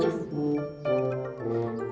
sorry gue buru buru tuh